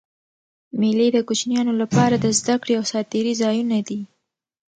مېلې د کوچنيانو له پاره د زدهکړي او ساتېري ځایونه دي.